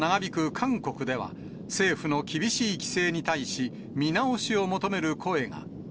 韓国では、政府の厳しい規制に対し、見直しを求める声が。